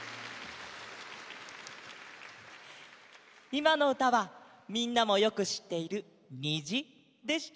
いまのうたはみんなもよくしっている「にじ」でした。